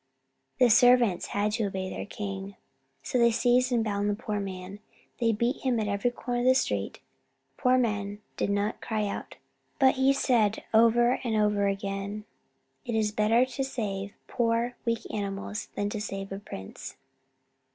The servants had to obey their king. So they seized and bound the poor man. They beat him at every corner of the street. The poor man did not cry out, but he said, over and over again, "It is better to save poor, weak animals than to save a prince."